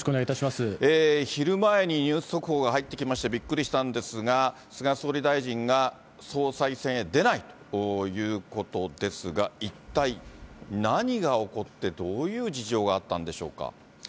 昼前にニュース速報が入ってきまして、びっくりしたんですが、菅総理大臣が総裁選へ出ないということですが、一体何が起こって、どういう事情があったんでしょうか。